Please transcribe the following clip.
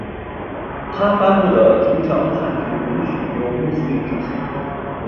他所颁布的宗教判决准许由穆斯林执行。